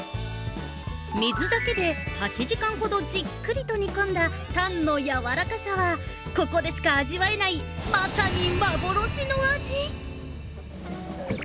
水だけで、８時間ほどじっくりと煮込んだタンのやわらかさはここでしか味わえないまさに幻の味！